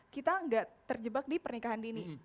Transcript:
kita nggak terjebak di pernikahan dini